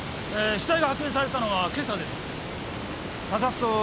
死体が発見されたのは今朝です。